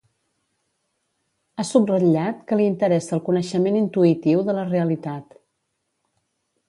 Ha subratllat que li interessa el coneixement intuïtiu de la realitat.